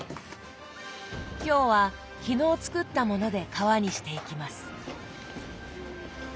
今日は昨日作ったもので皮にしていきます。